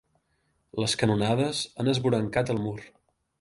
Les canonades han esvorancat el mur.